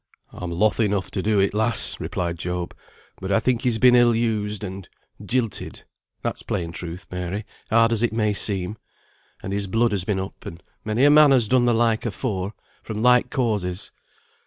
"I'm loth enough to do it, lass," replied Job; "but I think he's been ill used, and jilted (that's plain truth, Mary, hard as it may seem), and his blood has been up many a man has done the like afore, from like causes."